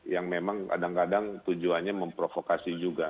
yang memang kadang kadang tujuannya memprovokasi juga